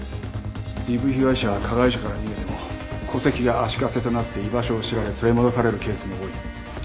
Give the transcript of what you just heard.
ＤＶ被害者は加害者から逃げても戸籍が足かせとなって居場所を知られ連れ戻されるケースも多い。